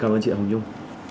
xin cảm ơn chị hồng dung